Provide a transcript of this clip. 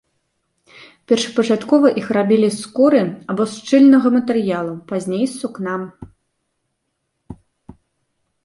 Першапачаткова іх рабілі з скуры або з шчыльнага матэрыялу, пазней з сукна.